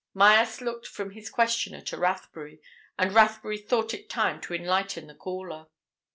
Myerst looked from his questioner to Rathbury. And Rathbury thought it time to enlighten the caller.